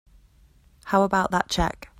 How about that check?